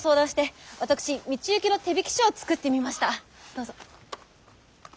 どうぞ。